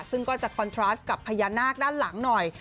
ซึ่งก็จะคอนทรัสกับพญานาคด้านหลังหน่อย